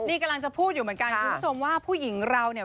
นี่กำลังจะพูดอยู่เหมือนกันคุณผู้ชมว่าผู้หญิงเราเนี่ย